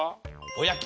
おやき。